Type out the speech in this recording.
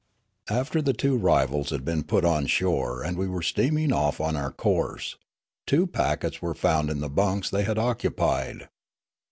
" After the two rivals had been put on shore and we were steaming off on our course, two packets were found in the bunks they had occupied.